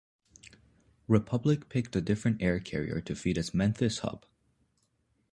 Republic picked a different air carrier to feed its Memphis hub.